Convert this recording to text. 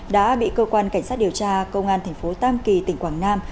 đã bị cơ quan cảnh sát điều tra công an thành phố tam kỳ tỉnh quảng nam